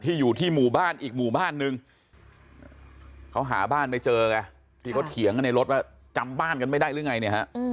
อยู่ที่หมู่บ้านอีกหมู่บ้านนึงเขาหาบ้านไม่เจอไงที่เขาเถียงกันในรถว่าจำบ้านกันไม่ได้หรือไงเนี่ยฮะ